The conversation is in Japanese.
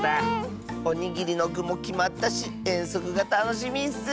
おにぎりのぐもきまったしえんそくがたのしみッス。